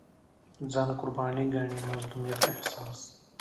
ځان قرباني ګڼي مظلومیت احساس